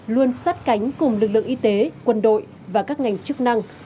luôn sát cánh cùng lực lượng y tế quân đội và các ngành chức năng